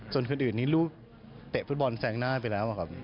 ส่วนคืนอื่นนี้ลูกเตะฟุตบอลแซงหน้าไปแล้วครับ